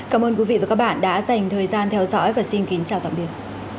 cảm ơn quý vị và các bạn đã dành thời gian theo dõi và xin kính chào tạm biệt